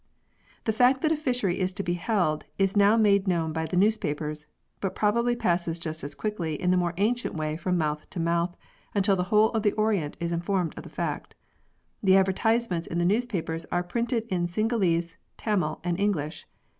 The fact that a fishery is to be held is now made known by the newspapers, but probably passes just as quickly in the more ancient way from mouth to mouth until the whole of the Orient is informed of the fact The advertisements in the newspapers are printed in Cingalese, Tamil and English.